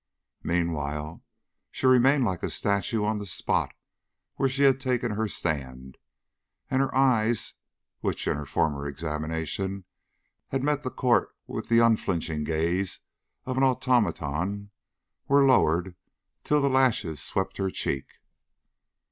Meanwhile, she remained like a statue on the spot where she had taken her stand, and her eyes, which in her former examination had met the court with the unflinching gaze of an automaton, were lowered till the lashes swept her cheek.